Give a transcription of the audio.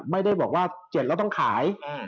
ไม่ได้บอกว่า๗แล้วต้องขาย